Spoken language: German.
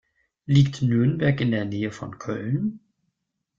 Liegt Nürnberg in der Nähe von Köln?